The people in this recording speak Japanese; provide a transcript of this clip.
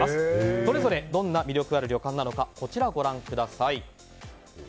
それぞれどんな魅力がある旅館なのか、ご覧ください。